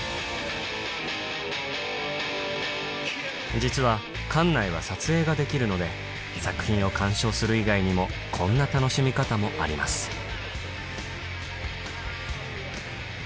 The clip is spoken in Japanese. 実は館内は撮影ができるので作品を鑑賞する以外にもこんな楽しみ方もあります行きます。